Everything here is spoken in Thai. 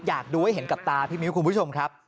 อยากดูให้เห็นกับตาพี่มิ้วคุณผู้ชมครับ